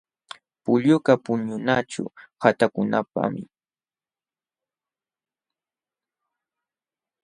Pullukaq puñunaćhu qatakunapaqmi.